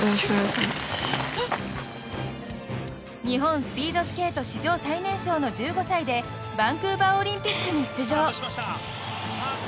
日本スピードスケート史上最年少の１５歳でバンクーバーオリンピックに出場。